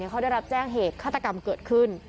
เขาได้รับแจ้งเหตุฆาตกรรมเกิดขึ้น